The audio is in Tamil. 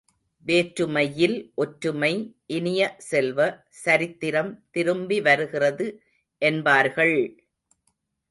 வேற்றுமையில் ஒற்றுமை இனிய செல்வ, சரித்திரம் திரும்பி வருகிறது என்பார்கள்!